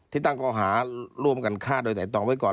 ตั้งก่อหาร่วมกันฆ่าโดยแต่ตองไว้ก่อน